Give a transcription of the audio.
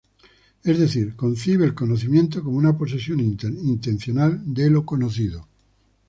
Es decir, concibe el conocimiento como una posesión intencional de lo conocido.